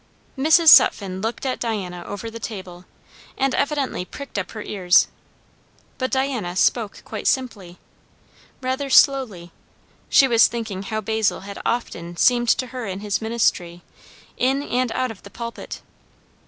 Mrs. Sutphen looked at Diana over the table, and evidently pricked up her ears; but Diana spoke quite simply, rather slowly; she was thinking how Basil had often seemed to her in his ministry, in and out of the pulpit.